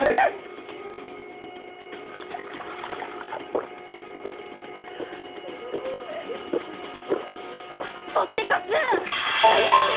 ぽってかす！